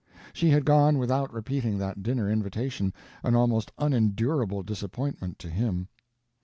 She had gone without repeating that dinner invitation—an almost unendurable disappointment to him.